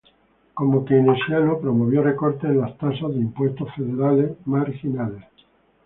Como keynesiano, promovió recortes en las tasas de impuestos federales marginales.